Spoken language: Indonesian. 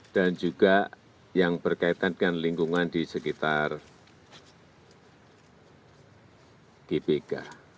dan juga yang berkaitan dengan lingkungan di sekitar gbk